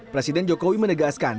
presiden jokowi menegaskan